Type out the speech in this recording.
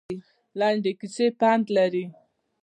لنډې کیسې پند لري